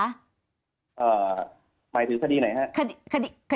หมายถึงคดีไหนครับ